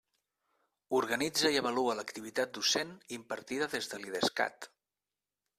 Organitza i avalua l'activitat docent impartida des de l'Idescat.